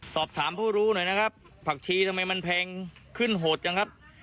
สอบถามผู้รู้หน่อยนะครับผักชีทำไมมันแพงขึ้นโหดจังครับ